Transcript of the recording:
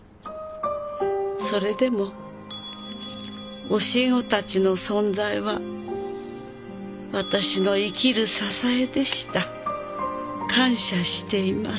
「それでも教え子たちの存在は私の生きる支えでした」「感謝しています。